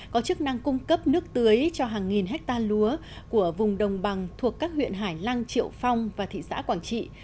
có chức năng cung cấp nước tưới cho hàng nghìn hectare lúa của vùng đồng bằng thuộc các huyện hải lăng triệu phong và thị xã quảng trị